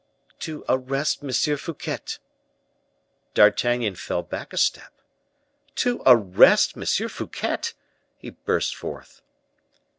"To arrest M. Fouquet." D'Artagnan fell back a step. "To arrest M. Fouquet!" he burst forth.